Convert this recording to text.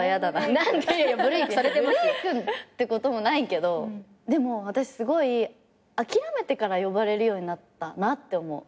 ブレークってこともないけどでも私すごい諦めてから呼ばれるようになったなって思う。